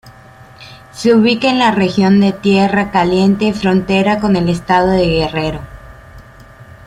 Se ubica en la región de Tierra Caliente frontera con el estado de Guerrero.